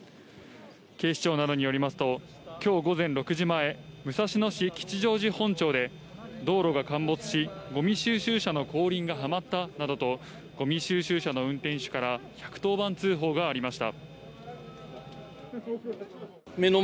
警視庁などによりますと今日午前６時前、武蔵野市吉祥寺本町で道路が陥没し、ごみ収集車の後輪がはまったなどと、ゴミ収集車の運転手から１１０番通報がありました。